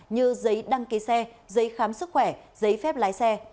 như giấy đăng ký xe giấy khám sức khỏe giấy phép lái xe